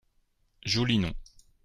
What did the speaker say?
Joli nom